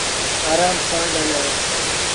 آرآم سآݩ ڳآلآيآ